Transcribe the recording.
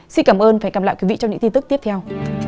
xin cảm ơn và hẹn gặp lại quý vị trong những tin tức tiếp theo